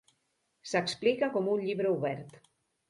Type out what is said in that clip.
S'explica com un llibre obert.